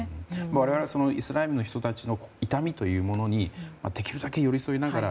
我々イスラエルの人たちの痛みというものにできるだけ、寄り添いながら。